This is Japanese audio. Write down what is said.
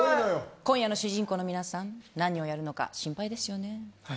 今夜の主人公の皆さん何をやるのか心配ですね。